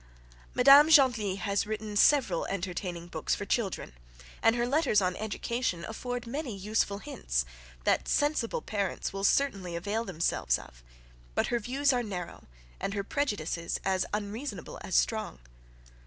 Madame Genlis has written several entertaining books for children; and her letters on Education afford many useful hints, that sensible parents will certainly avail themselves of; but her views are narrow, and her prejudices as unreasonable as strong.